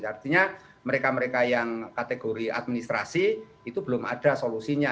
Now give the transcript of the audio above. artinya mereka mereka yang kategori administrasi itu belum ada solusinya